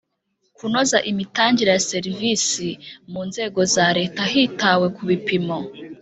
Kunoza Imitangire Ya Serivisi Mu Nzego Za Leta Hitawe Ku Bipimo